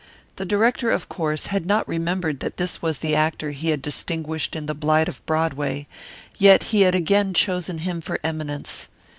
The director, of course, had not remembered that this was the actor he had distinguished in The Blight of Broadway, yet he had again chosen him for eminence.